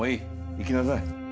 行きなさい。